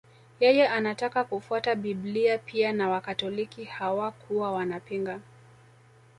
Yeye anataka kufuata Biblia pia na Wakatoliki hawakuwa wanapinga